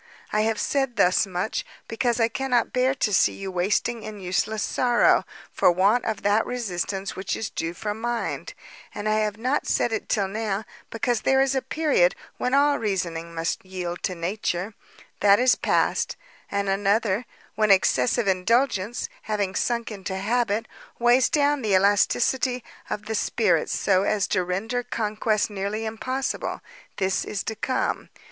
I have said thus much, because I cannot bear to see you wasting in useless sorrow, for want of that resistance which is due from mind; and I have not said it till now, because there is a period when all reasoning must yield to nature; that is past: and another, when excessive indulgence, having sunk into habit, weighs down the elasticity of the spirits so as to render conquest nearly impossible; this is to come.